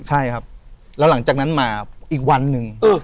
ใช่ครับแล้วหลังจากนั้นมาอีกวันหนึ่ง